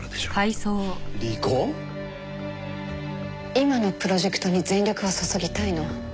今のプロジェクトに全力を注ぎたいの。